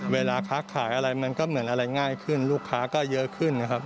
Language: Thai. เวลาค้าขายอะไรมันก็เหมือนอะไรง่ายขึ้นลูกค้าก็เยอะขึ้นนะครับ